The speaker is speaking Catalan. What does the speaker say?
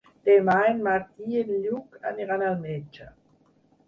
Demà en Martí i en Lluc aniran al metge.